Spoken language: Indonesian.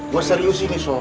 buat serius ini so